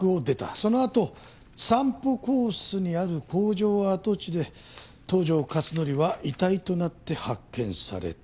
「そのあと散歩コースにある工場跡地で東条克典は遺体となって発見された」